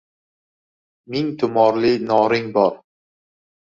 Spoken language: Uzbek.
Ming tumorli noring bor